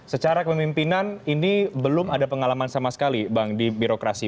secara kepemimpinan ini belum ada pengalaman sama sekali bang di birokrasi